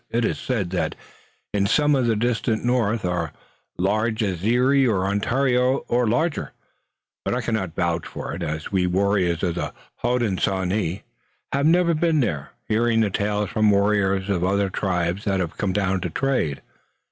It is said that some in the distant north are as large as Erie or Ontario or larger, but I cannot vouch for it, as we warriors of the Hodenosaunee have never been there, hearing the tales from warriors of other tribes that have come down to trade."